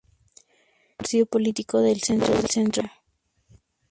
Es un partido político de centro-derecha.